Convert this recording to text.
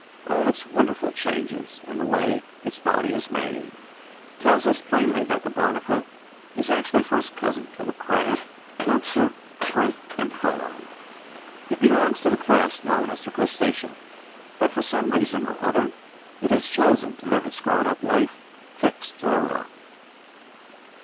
All its wonderful changes, and the way its body is made, tell us plainly that the Barnacle is actually first cousin to the Crab, Lobster, Shrimp and Prawn! It belongs to the class known as the Crustacea; but, for some reason or other, it has chosen to live its grown up life fixed to a rock.